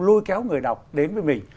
lôi kéo người đọc đến với mình